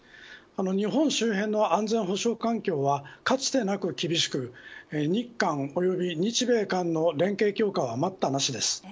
日本周辺の安全保障環境はかつてなく厳しく日韓及び日米韓の連携は待ったなしです。